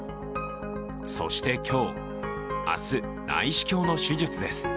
そして今日、明日、内視鏡の手術です。